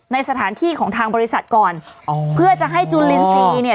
ในสถานที่ของทางบริษัทก่อนอ๋อเพื่อจะให้จุนลินทรีย์เนี่ย